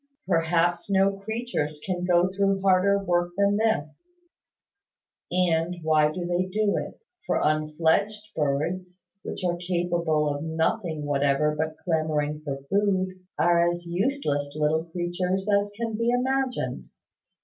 Perhaps no creatures can go through harder work than this; and why do they do it? For unfledged birds, which are capable of nothing whatever but clamouring for food, are as useless little creatures as can be imagined.